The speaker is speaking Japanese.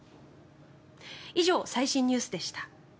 以上、最新ニュースでした。